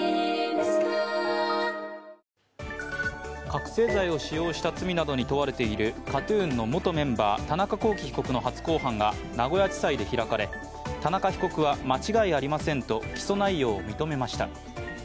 覚醒剤を使用した罪などに問われているＫＡＴ−ＴＵＮの元メンバー、田中聖被告の初公判が名古屋地裁で開かれ、田中被告は間違いありませんと起訴内容を認めました。